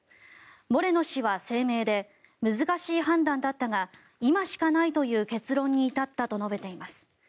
モレノ氏は声明で難しい判断だったが今しかないという結論に至ったと述べています。